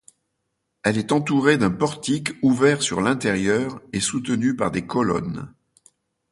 Elle est entourée d'un portique ouvert sur l’intérieur et soutenu par des colonnes.